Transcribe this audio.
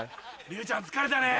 竜ちゃん疲れたね。